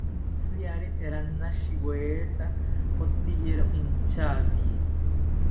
Mantziyari ranashitaweta oteyiro inchaki